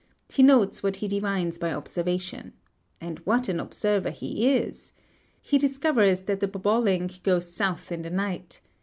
He notes what he divines by observation. And what an observer he is! He discovers that the bobolink goes south in the night.